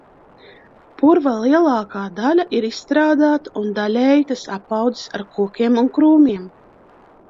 Purva lielākā daļa ir izstrādāta un daļēji tas apaudzis ar kokiem un krūmiem.